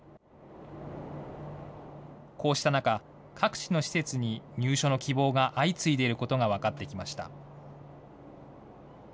こうした中、各地の施設に入所の希望が相次いでいることが分かってきました。